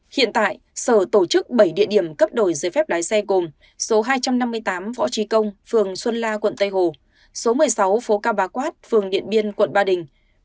hiện tại sở tổ chức bảy địa điểm cấp đổi giấy phép lái xe gồm số hai trăm năm mươi tám võ trí công phường xuân la quận tây hồ số một mươi sáu phố cao bá quát phường điện biên quận ba đình